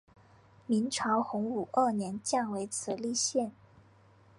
明朝洪武二年降为慈利县。